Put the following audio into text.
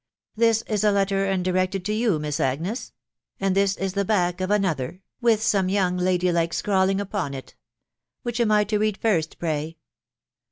... This is a letter, and directed to you, Miss Agnes ;.... and thia is the back of another, with some young lady like scrawling upon it. .• Which an 7 to read first, pray?"